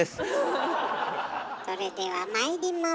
それではまいります。